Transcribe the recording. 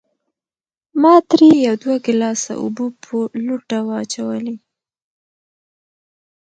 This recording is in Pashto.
ما ترې يو دوه ګلاسه اوبۀ پۀ لوټه واچولې